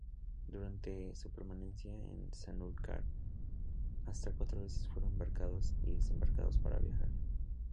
Durante su permanencia en Sanlúcar, hasta cuatro veces fueron embarcados y desembarcados para viajar.